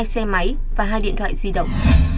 hai xe máy và hai điện thoại di động